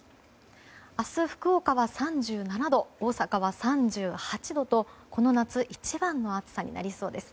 明日、福岡は３７度大阪は３８度とこの夏一番の暑さになりそうです。